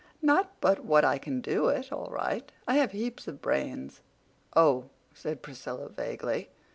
Not but what I can do it, all right. I have heaps of brains." "Oh!" said Priscilla vaguely.